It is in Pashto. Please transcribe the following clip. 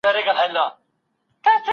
حکومت انټرنیټ نه سانسوراوه.